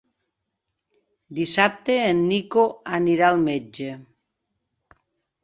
Dissabte en Nico anirà al metge.